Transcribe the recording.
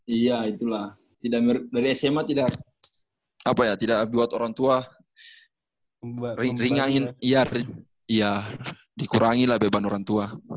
iya itulah dari sma tidak apa ya tidak buat orang tua ringanin iya dikurangin beban orang tua